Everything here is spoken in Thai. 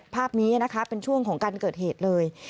ภาพนี้นะคะเป็นช่วงของการเกิดเหตุเลย